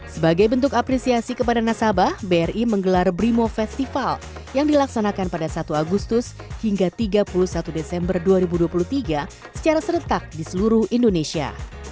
sebagai bentuk apresiasi kepada nasabah bri menggelar brimo festival yang dilaksanakan pada satu agustus hingga tiga puluh satu desember dua ribu dua puluh tiga secara seretak di seluruh indonesia